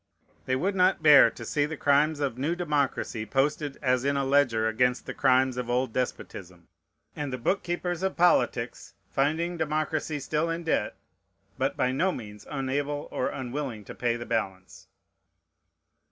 They would not bear to see the crimes of new democracy posted as in a ledger against the crimes of old despotism, and the book keepers of politics finding democracy still in debt, but by no means unable or unwilling to pay the balance.